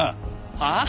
はあ？